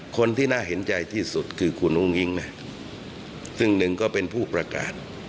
คนที่น่าเห็นใจที่สุดคือคุณอุ้งอิ๊งนะซึ่งหนึ่งก็เป็นผู้ประกาศ